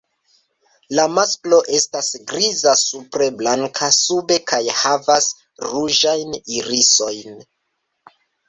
La masklo estas griza supre, blanka sube kaj havas ruĝajn irisojn.